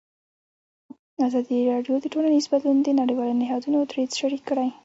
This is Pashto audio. ازادي راډیو د ټولنیز بدلون د نړیوالو نهادونو دریځ شریک کړی.